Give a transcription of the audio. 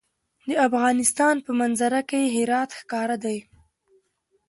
د افغانستان په منظره کې هرات ښکاره دی.